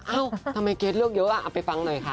ทำไมเกรทเลือกเยอะเอาไปฟังหน่อยค่ะ